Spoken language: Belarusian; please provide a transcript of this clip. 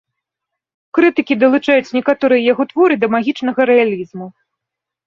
Крытыкі далучаюць некаторыя яго творы да магічнага рэалізму.